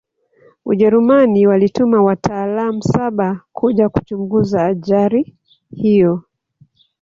ujerumani walituma wataalamu saba kuja kuchunguza ajari hiyo